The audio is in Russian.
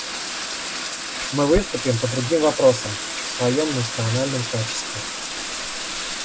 Мы выступим по другим вопросам в своем национальном качестве.